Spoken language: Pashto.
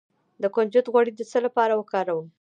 د کنجد غوړي د څه لپاره وکاروم؟